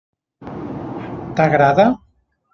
T'agrada?